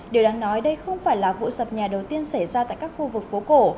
điều đáng nói đây không phải là vụ sập nhà đầu tiên xảy ra tại các khu vực phố cổ